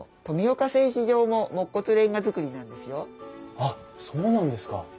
あっそうなんですか。